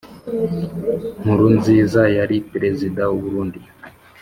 nkurunziza yari perezida w’uburundi